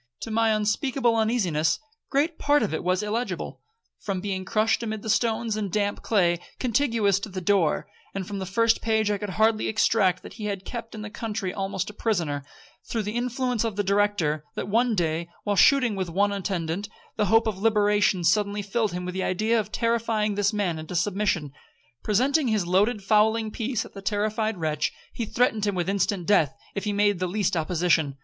To my unspeakable uneasiness, great part of it was illegible, from being crushed amid the stones and damp clay contiguous to the door, and from the first page I could hardly extract that he had been kept in the country almost a prisoner, through the influence of the Director; that one day, while shooting with only one attendant, the hope of liberation suddenly filled him with the idea of terrifying this man into submission. Presenting his loaded fowling piece at the terrified wretch, he threatened him with instant death, if he made the least opposition.